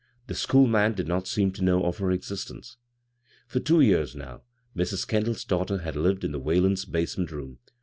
The " school man " did not seem to know of her existence. For two years now Mrs. Kendall's daughter had lived in the Whalens' basement room.